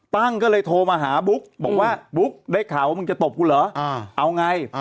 ตั้งก็เลยโทรมาหาบุ๊กบอกว่าบุ๊กได้ข่าวว่ามึงจะตบกูเหรอเอาไง